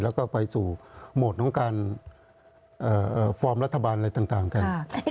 แล้วก็ไปสู่โหมดของการฟอร์มรัฐบาลอะไรต่างกัน